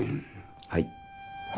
はい。